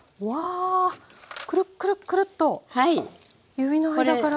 指の間から。